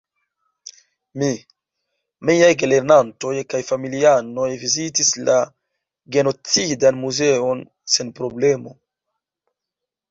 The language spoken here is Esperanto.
Mi, miaj gelernantoj kaj familianoj vizitis la "Genocidan Muzeon" sen problemo.